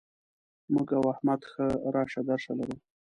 موږ او احمد ښه راشه درشه لرو.